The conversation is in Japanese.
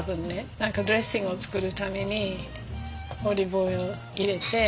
何かドレッシングを作るためにオリーブオイル入れて。